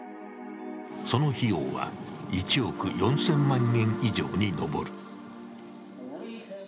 その費用は１億４０００万円以上に上る。